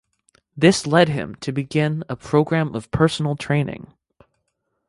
This led him to begin a program of personal training.